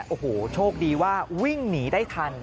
โอ้โหโชคดีว่าวิ่งหนีได้ทัน